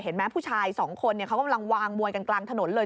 รู้ไหมผู้ชายสองคนกำลังวางสภาทกันกลางถนนเลย